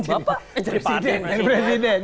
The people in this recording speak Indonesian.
eh jadi presiden